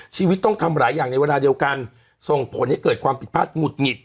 ชีวิตต้องทำหลายอย่างในเวลาเดียวกันส่งผลให้เกิดความผิดพลาดหงุดหงิด